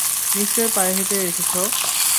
নিশ্চয়ই পায়ে হেঁটেই এসেছ!